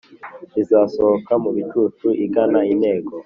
izasohoke mu bicu igana intego.